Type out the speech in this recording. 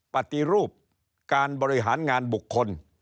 ปฏิรูปการบริหารงานบุคคล